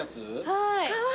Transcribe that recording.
はい。